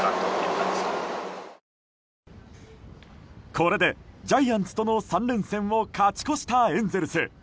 これでジャイアンツとの３連戦を勝ち越したエンゼルス。